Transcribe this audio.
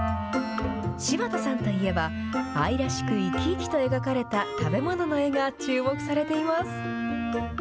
柴田さんといえば、愛らしく生き生きと描かれた食べ物の絵が注目されています。